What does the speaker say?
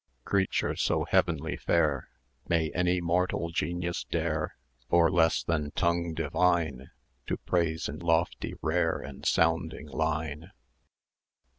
Creature so heavenly fair, May any mortal genius dare, Or less than tongue divine, To praise in lofty, rare, and sounding line?